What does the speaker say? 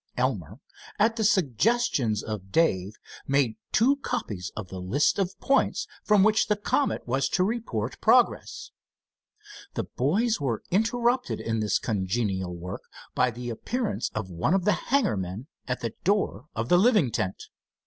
Elmer, at the suggestions of Dave, made two copies of the list of points from which the Comet was to report progress. The boys were interrupted in this congenial work by the appearance of one of the hangar men at the door of the living tent.